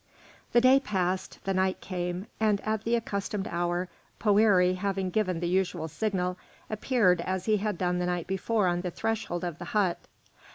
The day passed, the night came, and at the accustomed hour Poëri, having given the usual signal, appeared as he had done the night before on the threshold of the hut.